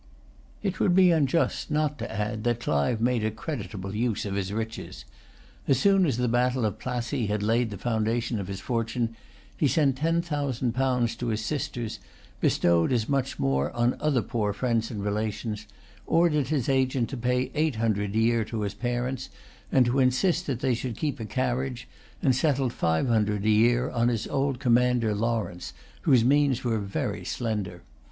It would be unjust not to add that Clive made a creditable use of his riches. As soon as the battle of Plassey had laid the foundation of his fortune, he sent ten thousand pounds to his sisters, bestowed as much more on other poor friends and relations, ordered his agent to pay eight hundred a year to his parents, and to insist that they should keep a carriage, and settled five hundred a year on his old commander Lawrence, whose means were very slender.